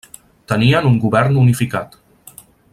Tenien un govern unificat.